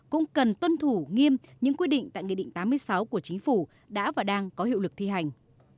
cũng cần tuân thủ nghiêm những quy định tại nghị định tám mươi sáu của chính phủ đã và đang có hiệu lực thi hành